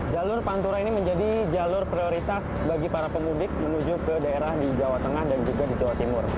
jalur pantura ini menjadi jalur prioritas bagi para pemudik menuju ke daerah di jawa tengah dan juga di jawa timur